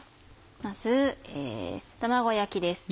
まず卵焼きです。